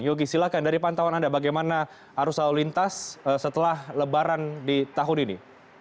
yogi silakan dari pantauan anda bagaimana arus lalu lintas setelah lebaran di tahun ini